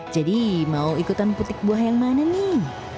jadi mau ikutan mempetik buah yang mana nih